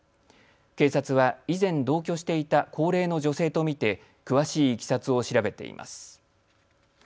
警察は以前、同居していた高齢の女性と見て詳しいいきさつを調べています。